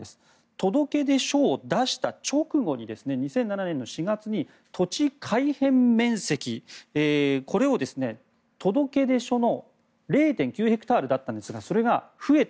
届出書を出した直後に２００７年の４月に土地改変面積、これを届出書は０．９ヘクタールだったんですがそれが増えて